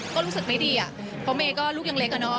ก็รู้สึกไม่ดีเพราะเม้ก็ลูกยังเล็ก